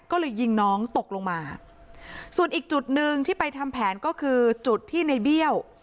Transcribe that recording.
ก็เลยยิงน้องตกลงมาส่วนอีกจุดหนึ่งที่ไปทำแผนก็คือจุดที่ในเบี้ยว